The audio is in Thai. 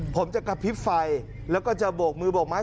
ผมจะกระพริบไฟแล้วก็จะโบกมือโบกไม้